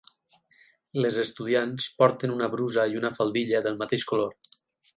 Les estudiants porten una brusa i una faldilla del mateix color.